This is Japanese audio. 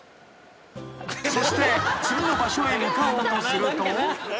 ［そして次の場所へ向かおうとすると］